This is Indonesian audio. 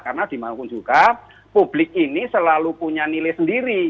karena dimanggung juga publik ini selalu punya nilai sendiri